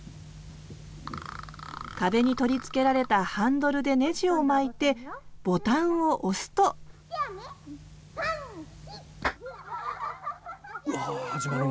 壁に取り付けられたハンドルでねじを巻いてボタンを押すとうわ始まるんだ。